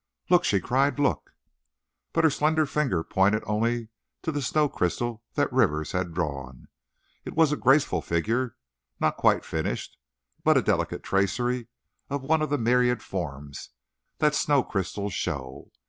"Look!" she cried; "look!" But her slender finger pointed only to the snow crystal that Rivers had drawn. It was a graceful figure, not quite finished, but a delicate tracery of one of the myriad forms that snow crystals show.